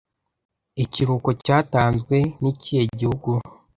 Ikiruhuko cyatanzwe nikihe gihugu